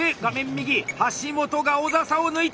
右橋本が小佐々を抜いた！